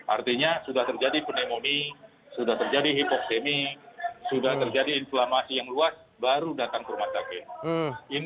artinya sudah terjadi pneumonia sudah terjadi hipoksemi sudah terjadi inflamasi yang luas baru datang ke rumah sakit